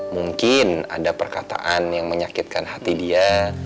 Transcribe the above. mungkin ada perkataan yang menyakitkan hati dia